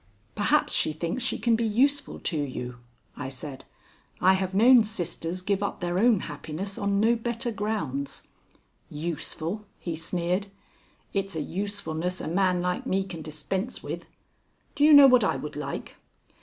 "Perhaps she thinks she can be useful to you," I said. "I have known sisters give up their own happiness on no better grounds." "Useful?" he sneered. "It's a usefulness a man like me can dispense with. Do you know what I would like?"